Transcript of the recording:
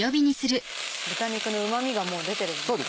豚肉のうまみが出てるんですね。